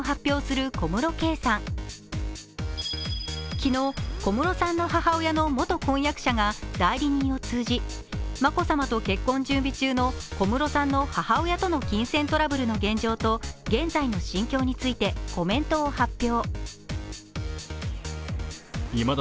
昨日、小室さんの母親の元婚約者が代理人を通じ、眞子さまと結婚準備中の小室さんの母親との金銭トラブルの現状を現在の心境についてコメントを発表。